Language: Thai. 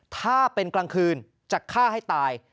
ถ้าเป็นกลางคืนจะฆ่าให้ตาย